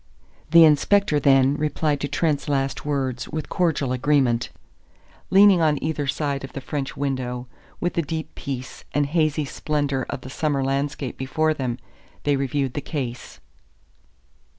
The inspector, then, replied to Trent's last words with cordial agreement. Leaning on either side of the French window, with the deep peace and hazy splendor of the summer landscape before them, they reviewed the case.